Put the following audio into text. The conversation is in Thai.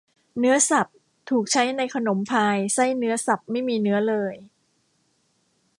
เนื้อสับถูกใช้ในขนมพายไส้เนื้อสับไม่มีเนื้อเลย